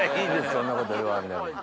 そんなこと言わんでも。